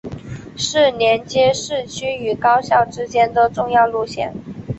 是连接市区与高校之间的重要线路。